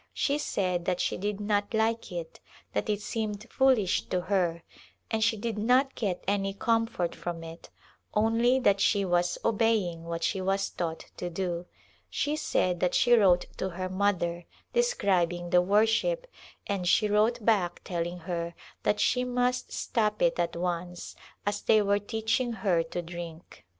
She said that she did not like it, that it seemed foolish to her and she did not get any comfort from it, only that she was obeying what she was taught to do. She said that she wrote to her mother, describing the worship, and she wrote back telling her that she must stop it at once, as they were teaching her to drink.